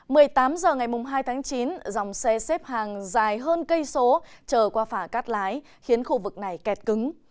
bây giờ ngày hai tháng chín dòng xe xếp hàng dài hơn cây số chờ qua phả cắt lái khiến khu vực này kẹt cứng